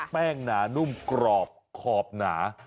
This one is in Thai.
แป้งหนานุ่มกรอบขอบหนา